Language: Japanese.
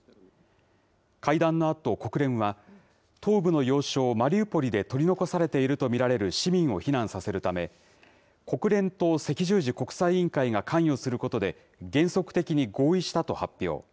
会談のあと国連は、東部の要衝マリウポリで取り残されていると見られる市民を避難させるため、国連と赤十字国際委員会が関与することで、原則的に合意したと発表。